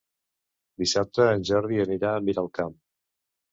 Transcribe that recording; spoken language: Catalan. Dissabte en Jordi anirà a Miralcamp.